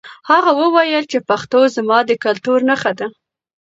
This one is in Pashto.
هغه وویل چې پښتو زما د کلتور نښه ده.